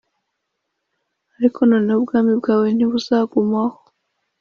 Ariko noneho ubwami bwawe ntibuzagumaho